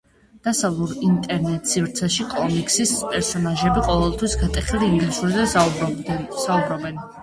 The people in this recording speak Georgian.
დასავლურ ინტერნეტ-სივრცეში კომიქსის პერსონაჟები ყოველთვის გატეხილ ინგლისურზე საუბრობენ.